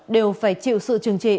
đều phải chịu sự trừng trị